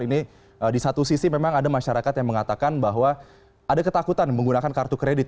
ini di satu sisi memang ada masyarakat yang mengatakan bahwa ada ketakutan menggunakan kartu kredit